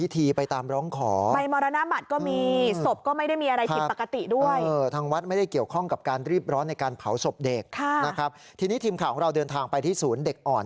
ทีนี้ทีมข่าวของเราเดินทางไปที่ศูนย์เด็กอ่อน